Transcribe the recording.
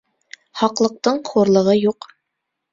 Һаҡлыҡтың хурлығы юҡ.